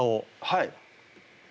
はい。